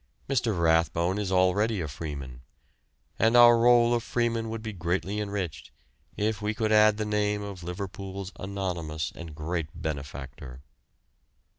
Mr. Rathbone is already a freeman, and our roll of freemen would be greatly enriched if we could add the name of Liverpool's anonymous and great benefactor.